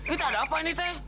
ini teh ada apa ini teh